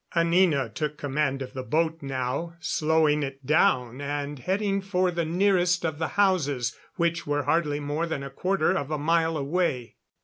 Anina took command of the boat now, slowing it down and heading for the nearest of the houses, which were hardly more than quarter of a mile away.